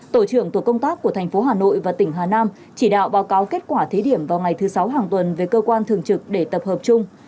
tổ trưởng tổ công tác của thành phố hà nội và tỉnh hà nam chỉ đạo báo cáo kết quả thí điểm vào ngày thứ sáu hàng tuần về cơ quan thường trực để tập hợp chung